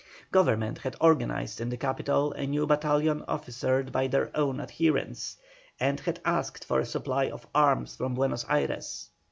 Government had organized in the capital a new battalion officered by their own adherents, and had asked for a supply of arms from Buenos Ayres.